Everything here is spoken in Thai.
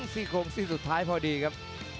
ซี่โครงซี่สุดท้ายพอดีครับ